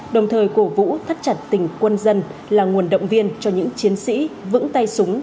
đồng thời cổ vũ thắt chặt tình quân dân là nguồn động viên cho những chiến sĩ vững tay súng